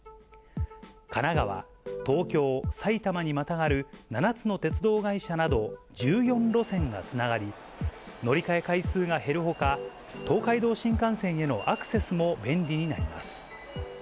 神奈川、東京、埼玉にまたがる７つの鉄道会社など１４路線がつながり、乗り換え回数が減るほか、東海道新幹線へのアクセスも便利になります。